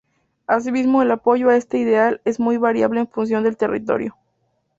Asimismo, el apoyo a este ideal es muy variable en función del territorio.